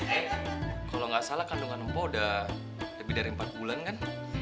eh kalau enggak salah kandungan empu udah lebih dari empat bulan kan